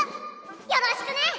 よろしくね。